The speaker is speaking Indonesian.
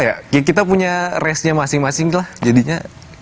ya kita punya race nya masing masing lah jadinya